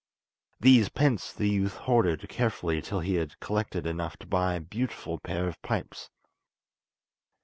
These pence the youth hoarded carefully till he had collected enough to buy a beautiful pair of pipes.